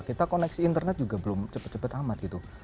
kita koneksi internet juga belum cepat cepat amat gitu